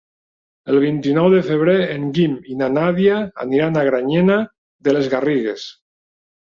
El vint-i-nou de febrer en Guim i na Nàdia aniran a Granyena de les Garrigues.